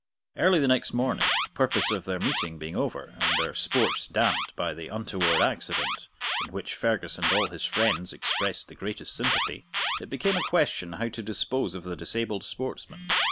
Early the next morning, the purpose of their meeting being over, and their sports damped by the untoward accident, in which Fergus and all his friends expressed the greatest sympathy, it became a question how to dispose of the disabled sportsman.